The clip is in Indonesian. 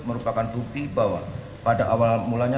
merupakan bukti bahwa pada awal mulanya